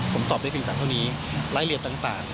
ผมตอบได้เพียงแต่เท่านี้รายละเอียดต่าง